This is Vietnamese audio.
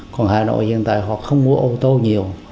còn hà nội hiện tại họ không mua ô tô nhiều